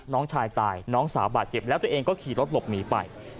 น้องชายตายน้องสาวบาดเจ็บแล้วตัวเองก็ขี่รถหลบหนีไป